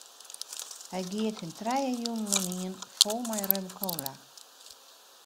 Hy geat him trije jûnen oanien fol mei rum-kola.